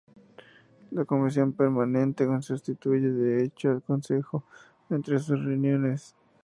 La comisión permanente sustituye de hecho al consejo entre sus reuniones.